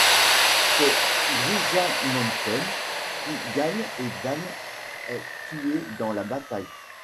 C'est Grisamentum qui gagne et Dane est tué dans la bataille.